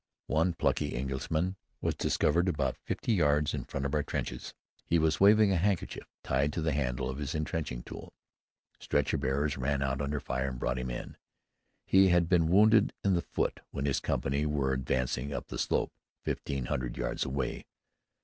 One plucky Englishman was discovered about fifty yards in front of our trenches. He was waving a handkerchief tied to the handle of his intrenching tool. Stretcher bearers ran out under fire and brought him in. He had been wounded in the foot when his company were advancing up the slope fifteen hundred yards away.